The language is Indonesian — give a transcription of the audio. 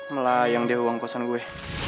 melayang dia uang kosan gue